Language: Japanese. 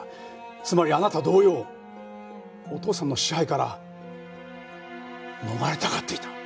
つまりあなた同様お父さんの支配から逃れたがっていた。